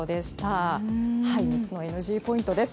夏の３つのＮＧポイントです。